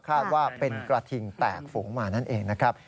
คาดว่าเป็นกระทิงแตกฝูงมานั่นเองนะครับ